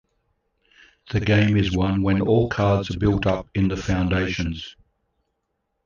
The game is won when all cards are built up in the foundations.